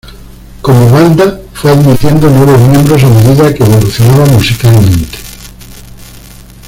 Como banda fue admitiendo nuevos miembros a medida que evolucionaba musicalmente.